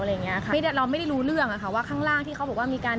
อะไรอย่างเงี้ยค่ะเราไม่ได้รู้เรื่องอะค่ะว่าข้างล่างที่เขาบอกว่ามีการ